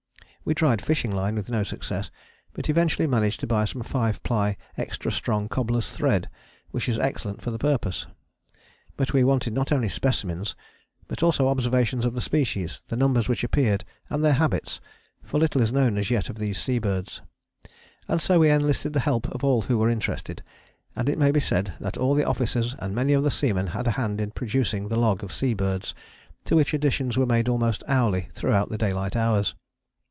We tried fishing line with no success, but eventually managed to buy some 5 ply extra strong cobbler's thread, which is excellent for the purpose. But we wanted not only specimens, but also observations of the species, the numbers which appeared, and their habits, for little is known as yet of these sea birds. And so we enlisted the help of all who were interested, and it may be said that all the officers and many of the seamen had a hand in producing the log of sea birds, to which additions were made almost hourly throughout the daylight hours.